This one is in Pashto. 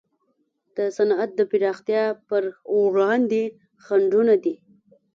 د صنعت د پراختیا پر وړاندې خنډونه دي.